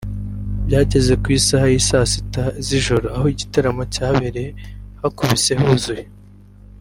Byageze ku isaha ya saa sita z’ijoro aho igitaramo cyabereye hakubise huzuye